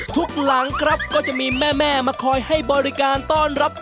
หลังครับก็จะมีแม่มาคอยให้บริการต้อนรับ